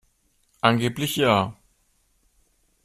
Angeblich ja.